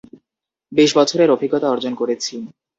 বিশ বছরের অভিজ্ঞতা অর্জন করেছি।